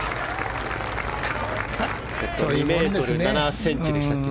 ２ｍ７ｃｍでしたっけ。